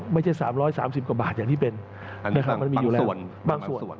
ไม่ใช่๓๓๐กว่าบาทอย่างที่เป็นมันมีอยู่แล้ว